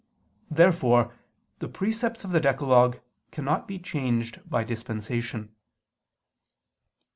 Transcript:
Therefore the precepts of the decalogue cannot be changed by dispensation.